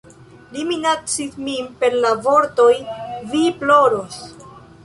Li minacis min per la vortoj "Vi ploros!